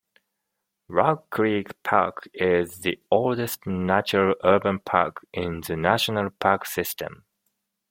Rock Creek Park is the oldest natural urban park in the National Park System.